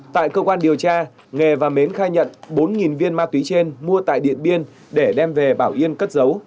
tại cơ quan điều tra nghề và mến khai nhận bốn viên ma túy trên mua tại điện biên để đem về bảo yên cất giấu